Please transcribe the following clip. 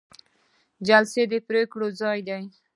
جلسه د پریکړو ځای دی